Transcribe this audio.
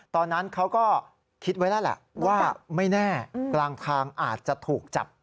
ตอนนั้นเขาก็คิดไว้แล้วแหละว่าไม่แน่กลางทางอาจจะถูกจับ